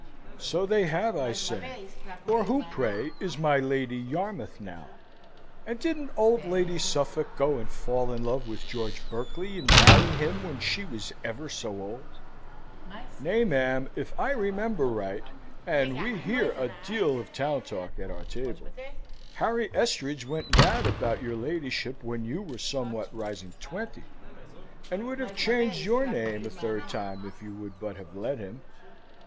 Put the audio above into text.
"So they have, I say; or who, pray, is my Lady Yarmouth now? And didn't old Lady Suffolk go and fall in love with George Berkeley, and marry him when she was ever so old? Nay, ma'am, if I remember right and we hear a deal of town talk at our table Harry Estridge went mad about your ladyship when you were somewhat rising twenty; and would have changed your name a third time if you would but have let him."